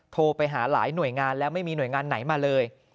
โทรไปหาหลายหน่วยงานแล้วไม่มีหน่วยงานไหนมาเลย